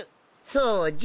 そうじゃ。